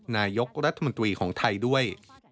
นายกรัฐมนตรีของไทยด้วย